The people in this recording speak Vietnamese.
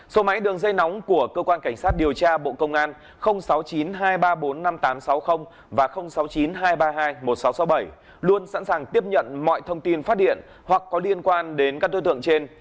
số máy đường dây nóng của cơ quan cảnh sát điều tra bộ công an sáu mươi chín hai trăm ba mươi bốn năm nghìn tám trăm sáu mươi và sáu mươi chín hai trăm ba mươi hai một nghìn sáu trăm sáu mươi bảy luôn sẵn sàng tiếp nhận mọi thông tin phát điện hoặc có liên quan đến các đối tượng trên